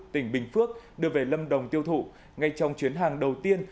tỉnh bình phước đưa về lâm đồng tiêu thụ ngay trong chuyến hàng đầu tiên